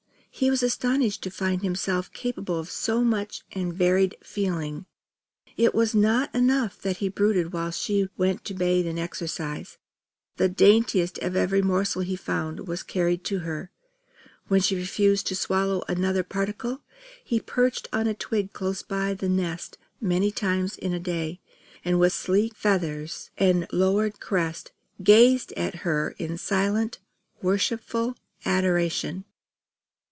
He was astonished to find himself capable of so much and such varied feeling. It was not enough that he brooded while she went to bathe and exercise. The daintiest of every morsel he found was carried to her. When she refused to swallow another particle, he perched on a twig close by the nest many times in a day; and with sleek feathers and lowered crest, gazed at her in silent worshipful adoration.